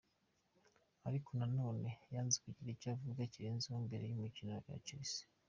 Ariko nanone yanze kugira icyo avuga kirenzeho mbere y'umukino na Chelsea.